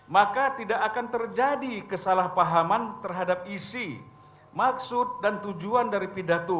maka tidak akan terjadi kesalahpahaman terhadap isi maksud dan tujuan dari pidato